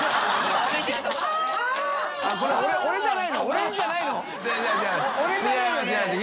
俺じゃないよね？